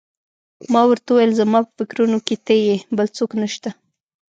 ما ورته وویل: زما په فکرونو کې ته یې، بل څوک نه شته.